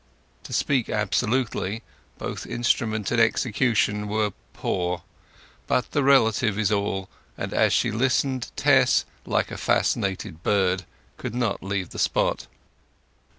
To speak absolutely, both instrument and execution were poor; but the relative is all, and as she listened Tess, like a fascinated bird, could not leave the spot.